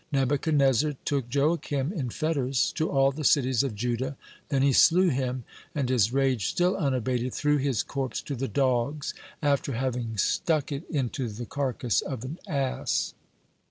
Nebuchadnezzar took Jehoiakim in fetters to all the cities of Judah, then he slew him, and, his rage still unabated, threw his corpse to the dogs after having stuck it into the carcass of an ass.